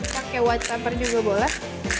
pakai white tamper juga boleh